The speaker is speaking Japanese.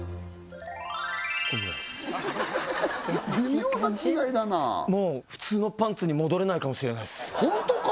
こんぐらいっすいや微妙な違いだなもう普通のパンツに戻れないかもしれないっすホントか！？